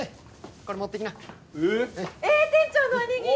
これ持っていきなえ店長のおにぎり！